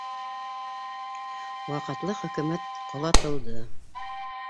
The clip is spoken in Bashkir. Ваҡытлы хөкүмәт ҡолатылды.